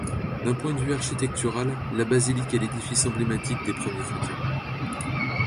D'un point de vue architectural, la basilique est l'édifice emblématique des premiers chrétiens.